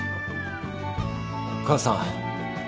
母さん。